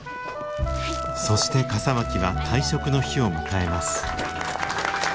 そして笠巻は退職の日を迎えます。